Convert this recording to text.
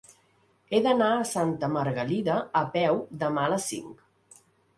He d'anar a Santa Margalida a peu demà a les cinc.